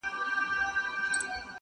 تاسي ځئ ما مي قسمت ته ځان سپارلی،